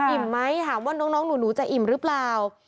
ไหมถามว่าน้องหนูจะอิ่มหรือเปล่า